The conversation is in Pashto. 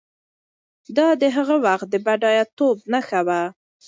دا د هغه وخت د بډایه توب نښه وه.